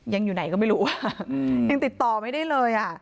ยังอยู่ไหนก็ไม่รู้ว่ายังติดต่อไม่ได้เลยอ่ะ